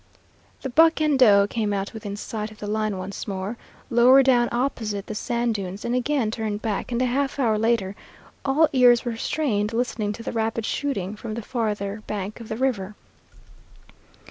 The buck and doe came out within sight of the line once more, lower down opposite the sand dunes, and again turned back, and a half hour later all ears were strained listening to the rapid shooting from the farther bank of the river.